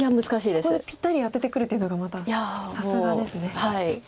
ここでぴったり当ててくるっていうのがまたさすがですね。